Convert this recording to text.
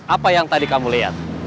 apa yang tadi kamu lihat